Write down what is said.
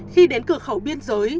khi đến cửa khẩu biên giới